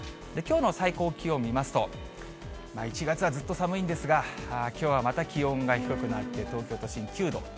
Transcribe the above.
きょうの最高気温見ますと、１月はずっと寒いんですが、きょうはまた気温が低くなって、東京都心９度。